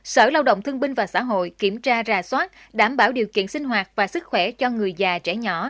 sở lao động thương binh và xã hội kiểm tra rà soát đảm bảo điều kiện sinh hoạt và sức khỏe cho người già trẻ nhỏ